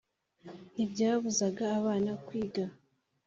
Ntibyabuzaga abana kwiga